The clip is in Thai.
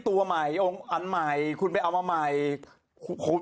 ตัวใหม่อันไหมคุณไปเอามาใหม่